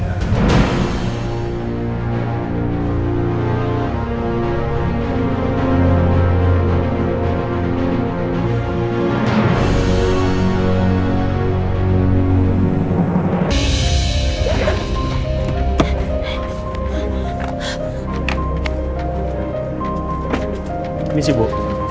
ini sih bu